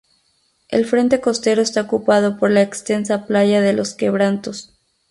El frente costero está ocupado por la extensa playa de los Quebrantos.